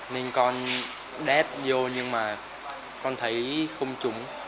nên con đép vô nhưng mà con thấy không trúng